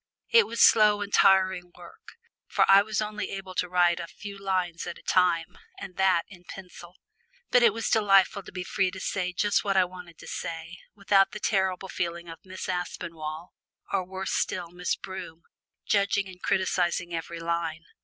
It was slow and tiring work, for I was only able to write a few lines at a time, and that in pencil. But it was delightful to be free to say just what I wanted to say, without the terrible feeling of Miss Aspinall, or worse still Miss Broom, judging and criticising every line.